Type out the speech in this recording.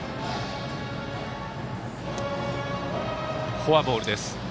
フォアボールです。